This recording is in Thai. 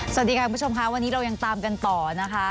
สวัสดีค่ะคุณผู้ชมค่ะวันนี้เรายังตามกันต่อนะคะ